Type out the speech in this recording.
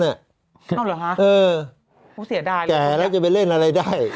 อ๋อเหรอฮะโอ้เสียดายเลยครับแก่แล้วจะไปเล่นอะไรได้